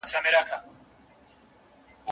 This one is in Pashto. چي زما پیاله راله نسکوره له آسمانه سوله